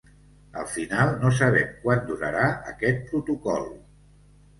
Al final, no sabem quant durarà aquest protocol.